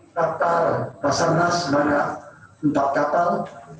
katar basarnas banyak empat kapal